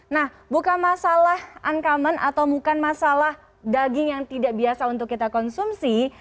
nah bukan masalah uncommon atau bukan masalah daging yang tidak biasa untuk kita konsumsi